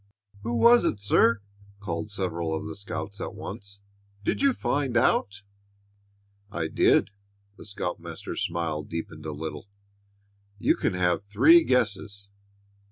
"Who was it, sir?" called several of the scouts at once. "Did you find out?" "I did." The scoutmaster's smile deepened a little. "You can have three guesses."